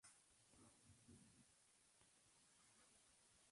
En la playa de Punta Espinillo se practican deportes como, surf, canotaje y vela.